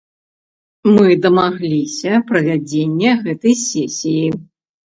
Мы дамагліся правядзення гэтай сесіі.